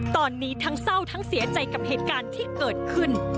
ตอนนี้ทั้งเศร้าทั้งเสียใจกับเหตุการณ์ที่เกิดขึ้น